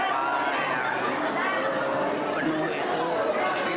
kedatangan presiden jokowi dan reni nurmaningsi ini